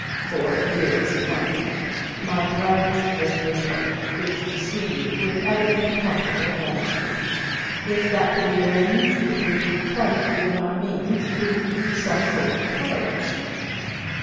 For, dearest Margaret, my brightest earthly hope is to see you with everything comfortable around you. If that could be arranged, it would be quite within our means to keep some sort of carriage.